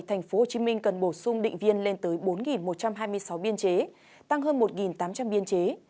tp hcm cần bổ sung định viên lên tới bốn một trăm hai mươi sáu biên chế tăng hơn một tám trăm linh biên chế